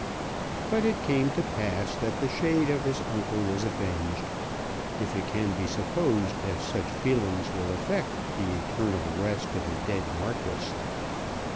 But it came to pass that the shade of his uncle was avenged, if it can be supposed that such feelings will affect the eternal rest of a dead Marquis.